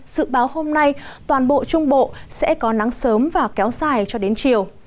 dự báo hôm nay toàn bộ trung bộ sẽ có nắng sớm và kéo dài cho đến chiều